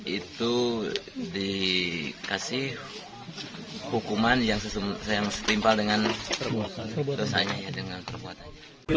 itu dikasih hukuman yang setimpal dengan perbuatan